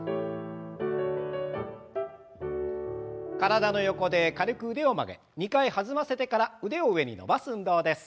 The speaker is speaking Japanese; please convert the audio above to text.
体の横で軽く腕を曲げ２回弾ませてから腕を上に伸ばす運動です。